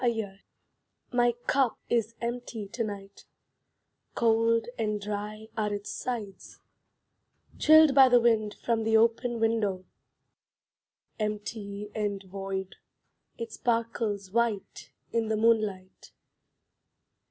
Absence My cup is empty to night, Cold and dry are its sides, Chilled by the wind from the open window. Empty and void, it sparkles white in the moonlight.